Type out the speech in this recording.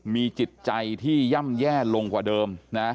มีจิตใจที่ย่ำแย่ลงกว่าเดิมนะ